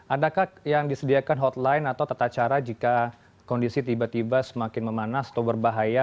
adakah yang disediakan hotline atau tata cara jika kondisi tiba tiba semakin memanas atau berbahaya